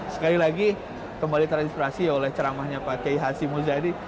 sekali lagi kembali terinspirasi oleh ceramahnya pak k h s muzadi